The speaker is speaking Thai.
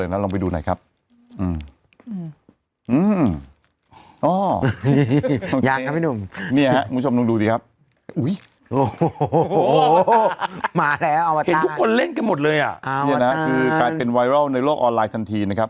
กลายเป็นไวรัลในโลกออนไลน์ทันทีนะครับ